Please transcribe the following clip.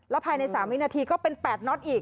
ภายใน๓วินาทีก็เป็น๘น็อตอีก